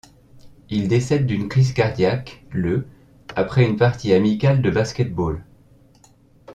Il décède d'une crise cardiaque le après une partie amical de basket-ball.